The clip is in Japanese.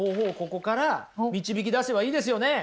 ここから導き出せばいいですよね！